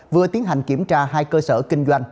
vừa tiến hành kiểm tra hai cơ sở kinh doanh